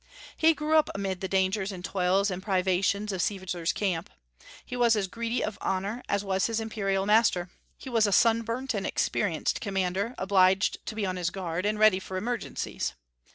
He grew up amid the dangers and toils and privations of Caesar's camp. He was as greedy of honors as was his imperial master. He was a sunburnt and experienced commander, obliged to be on his guard, and ready for emergencies.